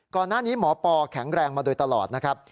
ก่อนหน้านี้หมอปอแข็งแรงมาโดยตลอดนะครับ